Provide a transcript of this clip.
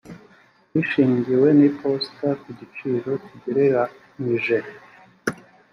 bwishingiwe n iposita ku giciro kigereranyije